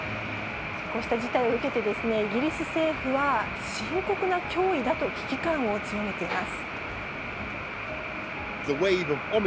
こうした事態を受けて、イギリス政府は、深刻な脅威だと危機感を強めています。